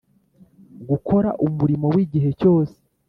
Gukora umurimo w igihe cyose